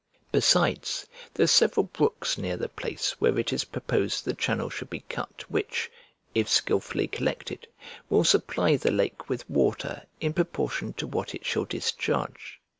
Besides, there are several brooks near the place where it is proposed the channel shall be cut which, if skilfully collected, will supply the lake with water in proportion to what it shall discharge.